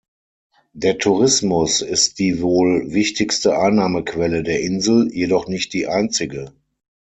Der Tourismus ist die wohl wichtigste Einnahmequelle der Insel, jedoch nicht die einzige.